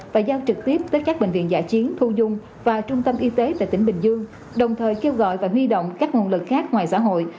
và giao trực tiếp tới các bệnh viện giả chiến thu dung và trung tâm y tế tại tỉnh bình dương đồng thời kêu gọi và huy động các nguồn lực khác ngoài xã hội